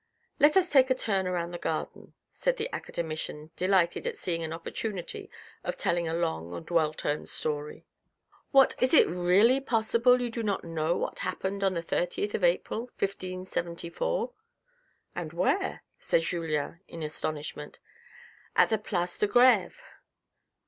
" Let us take a turn 3o8 THE RED AND THE BLACK round the garden," said the academician deilghted at seeing an opportunity of telling a long and well turned story. " What ! is it really possible you do not know what happened on the 30th April, 1574 ?"" And where ?" said Julien in astonishment. " At the place de Greve."